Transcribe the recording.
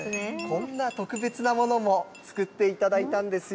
こんな特別なものも作っていただいたんですよ。